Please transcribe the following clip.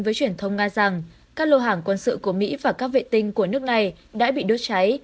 với truyền thông nga rằng các lô hàng quân sự của mỹ và các vệ tinh của nước này đã bị đốt cháy